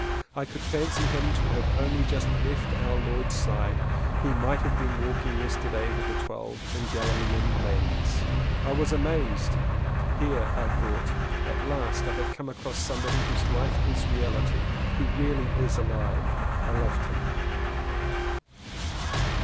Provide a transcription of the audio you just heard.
I could fancy him to have only just left Our Lord's side. He might have been walking yester day with the twelve in Galilean lanes. I 216 LLEWELLYN POWYS was amazed. "Here," I thought, "at last, have I come across somebody whose Hfe is a reahty — who is really alive!" I loved him.